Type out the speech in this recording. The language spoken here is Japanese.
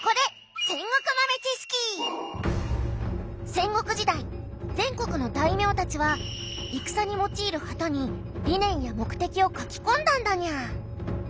戦国時代全国の大名たちは戦に用いる旗に理念や目的を書き込んだんだにゃ。